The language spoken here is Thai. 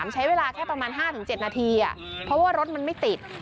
ใช้เวลาแค่ประมาณ๕๗นาทีเพราะว่ารถมันไม่ติด